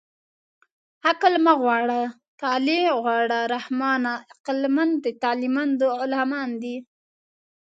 عقل مه غواړه طالع غواړه رحمانه عقلمند د طالعمندو غلامان دي